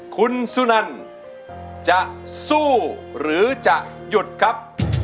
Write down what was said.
คุณสุนันจะสู้หรือจะหยุดครับ